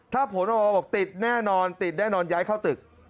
ถ้าผลบอกติดแน่นอนย้ายเข้าตึก